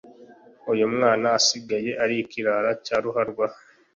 Uyumwana asigaye arikirara cyaruharwa